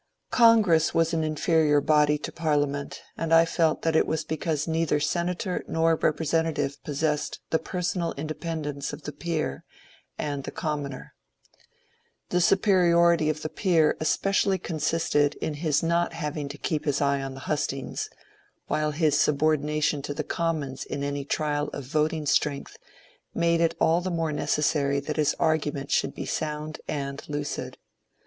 Congress was an inferior body to Parliament, and I felt that it was because neither senator nor representative pos sessed the personal independence of the peer and the com moner. The superiority of the peer especially consisted in his not having to keep his eye on the hustings, while his subordination to the Commons in any trial of voting strength made it all the more necessary that his argument should be sound and lucid.